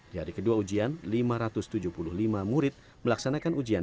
di hari kedua ujian lima ratus tujuh puluh lima murid melaksanakan ujian